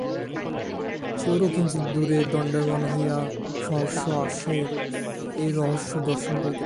চোরও কিঞ্চিৎ দূরে দণ্ডায়মান হইয়া সহাস্য আস্যে এই রহস্য দর্শন করিতে লাগিল।